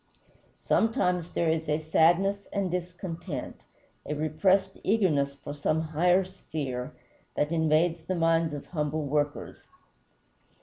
Sometimes there is a sadness and discontent, a repressed eagerness for some higher sphere, that invades the minds of humble workers.